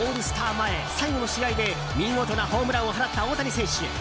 前、最後の試合で見事なホームランを放った大谷選手。